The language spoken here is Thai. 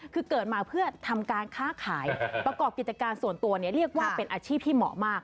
คือเกิดมาเพื่อทำการค้าขายประกอบกิจการส่วนตัวเนี่ยเรียกว่าเป็นอาชีพที่เหมาะมาก